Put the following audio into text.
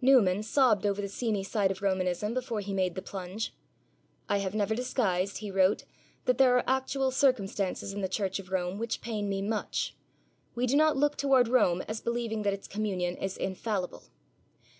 Newman sobbed over the seamy side of Romanism before he made the plunge. 'I have never disguised,' he wrote, 'that there are actual circumstances in the Church of Rome which pain me much; we do not look toward Rome as believing that its communion is infallible.'